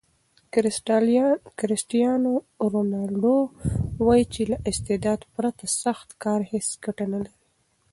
کرسټیانو رونالډو وایي چې له استعداد پرته سخت کار هیڅ ګټه نلري.